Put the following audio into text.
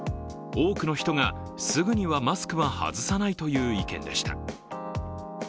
多くの人がすぐにはマスクは外さないという意見でした。